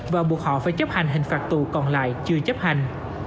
và buộc họ phải chấp hành hình phạt tù còn lại chưa chấp hành